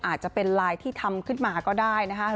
อาจจะเป็นไลน์ที่ทำขึ้นมาก็ได้นะคะ